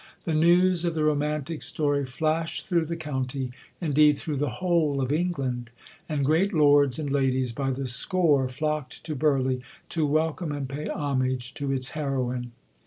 The news of the romantic story flashed through the county, indeed through the whole of England; and great lords and ladies by the score flocked to Burleigh to welcome and pay homage to its heroine.